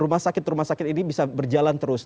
rumah sakit rumah sakit ini bisa berjalan terus